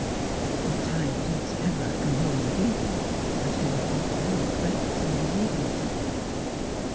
'' At what time did Sir Everard come home that evening 1 ' asked Morton, almost breathless in his eagerness.